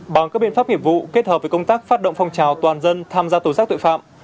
bằng các biện pháp nghiệp vụ kết hợp với công tác phát động phong trào toàn dân tham gia tổ giác tội phạm